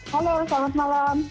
halo selamat malam